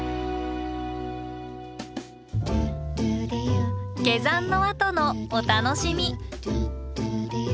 下山のあとのお楽しみ。